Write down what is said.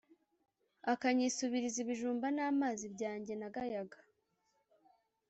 akanyisubiriza ibijumba n'amazi byanjye nagayaga.